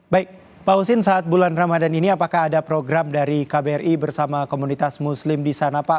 baik pak husin saat bulan ramadan ini apakah ada program dari kbri bersama komunitas muslim di sana pak